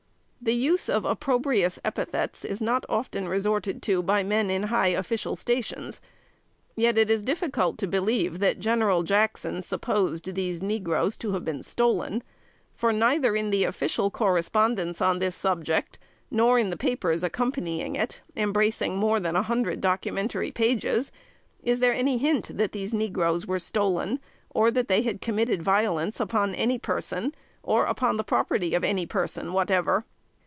The use of opprobrious epithets is not often resorted to by men in high official stations: yet it is difficult to believe, that General Jackson supposed these negroes to have been stolen; for, neither in the official correspondence on this subject, nor in the papers accompanying it, embracing more than a hundred documentary pages, is there a hint that these negroes were "stolen," or that they had committed violence upon any person, or upon the property of any person whatever.